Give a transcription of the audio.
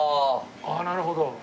ああなるほど。